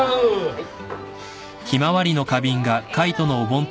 はい。